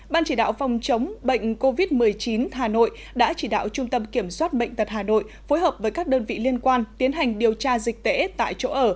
ban chỉ đạo phòng chống bệnh covid một mươi chín hà nội đã chỉ đạo trung tâm kiểm soát bệnh tật hà nội phối hợp với các đơn vị liên quan tiến hành điều tra dịch tễ tại chỗ ở